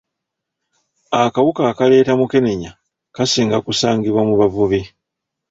Akawuka akaleeta mukenenya kasinga kusangibwa mu bavubi.